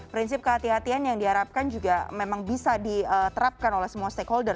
prinsip kehatian kehatian yang diharapkan juga memang bisa diterapkan oleh semua stakeholder